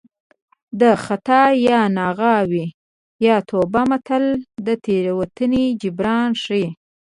د خطا یا ناغه وي یا توبه متل د تېروتنې جبران ښيي